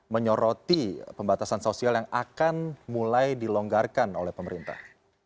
menyoroti pembatasan sosial yang akan mulai dilonggarkan oleh pemerintah